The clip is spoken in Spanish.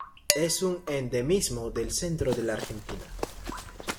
Es un endemismo del centro de la Argentina.